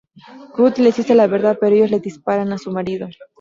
Ruth les dice la verdad pero ellos le disparan a su marido.